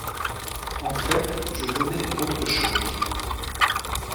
En fait, je venais pour autre chose.